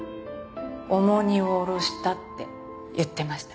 重荷を下ろしたって言ってました。